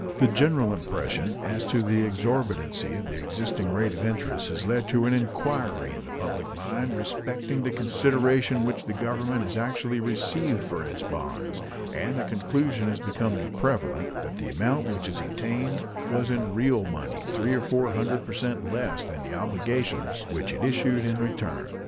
The general impression as to the exorbitancy of the existing rate of interest has led to an inquiry in the public mind respecting the consideration which the Government has actually received for its bonds, and the conclusion is becoming prevalent that the amount which it obtained was in real money three or four hundred per cent less than the obligations which it issued in return.